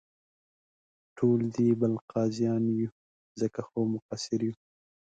ټول یو دې بل قاضیان یو، ځکه خو مقصر یو.